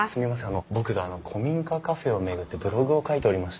あの僕古民家カフェを巡ってブログを書いておりまして。